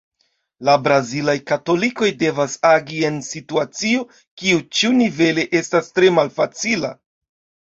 La brazilaj katolikoj devas agi en situacio, kiu ĉiunivele estas tre malfacila.